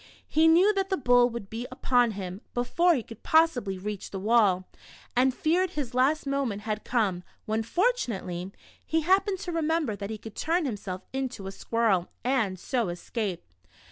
He knew that the bull would be upon him, before he could possibly reach the wall, and feared his last moment had come, when, fortunately, he happened to remem ber that he could turn himself into a scjuirrel, and so escape.